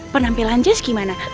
penampilan jess gimana